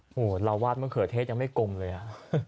โอ้โหเราวาดมะเขือเทศยังไม่กลมเลยอ่ะ